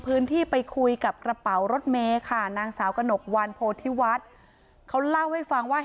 พื้นที่ไปคุยกับกระเป๋ารถเมย์ค่ะนางสาวกระหนกวันโพธิวัฒน์เขาเล่าให้ฟังว่า